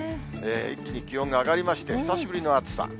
一気に気温が上がりまして、久しぶりの暑さ。